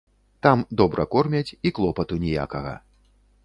Там добра кормяць, і клопату ніякага.